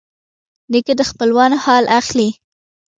نیکه د خپلوانو حال اخلي.